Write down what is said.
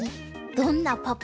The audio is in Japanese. どんなパパ。